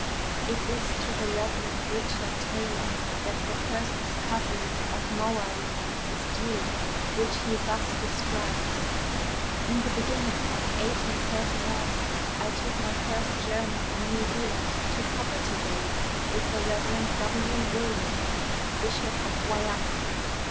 It is to the Rev. Richard Taylor that the first discovery of moa remains is due, which he thus describes: 'In the beginning of 1839 I took my first journey in New Zealand to Poverty Bay with the Rev. W. Williams (Bishop of Waiapu).